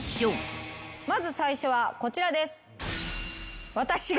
まず最初はこちらです。